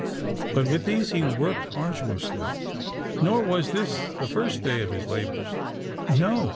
But with these he worked arduously. Nor was this the first day of his labours. No!